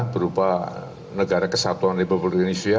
berupa negara kesatuan republik indonesia